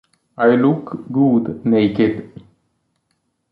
I Look Good Naked!